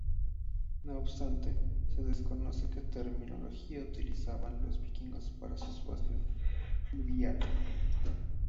No obstante, se desconoce que terminología utilizaban los vikingos para sus bases fluviales.